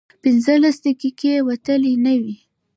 پينځلس دقيقې وتلې نه وې.